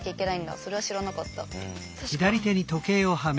それは知らなかった。